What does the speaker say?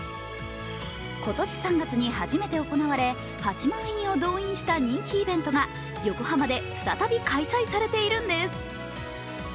今年３月に初めて行われ８万人を動員した人気イベントが横浜で再び開催されているんです。